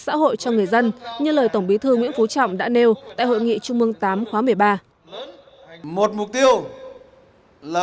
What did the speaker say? xã hội cho người dân như lời tổng bí thư nguyễn phú trọng đã nêu tại hội nghị trung mương tám khóa một mươi ba mục tiêu